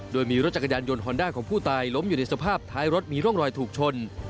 โดยมีรถจักรยานยนต์ฮอนด้าของผู้ตายล้มอยู่ในสภาพท้ายรถมีร่องรอยถูกชน